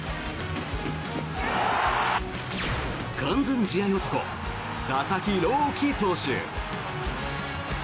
完全試合男、佐々木朗希投手。